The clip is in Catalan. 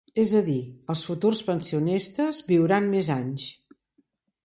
És a dir, els futurs pensionistes viuran més anys.